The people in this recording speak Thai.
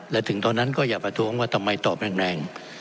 และถึงตอนนั้นก็อย่าประท้วงว่าทำไมตอบแรง